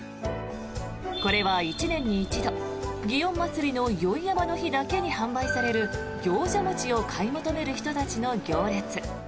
これは１年に一度祇園祭の宵山の日だけに販売される行者餅を買い求める人たちの行列。